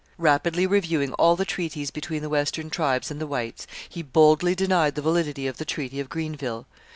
Rapidly reviewing all the treaties between the western tribes and the whites, he boldly denied the validity of the Treaty of Greenville.